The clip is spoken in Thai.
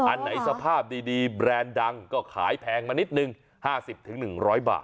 อันไหนสภาพดีดีแบรนด์ดังก็ขายแพงมานิดหนึ่งห้าสิบถึงหนึ่งร้อยบาท